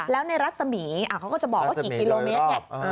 แล้วในรัศมีร์เขาก็จะบอกว่ากี่กิโลเมตรเนี่ย